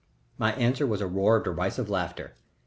My answer was a roar of derisive laughter.